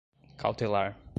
cautelar